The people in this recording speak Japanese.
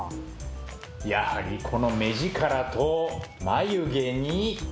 やはりこの目力と眉毛に。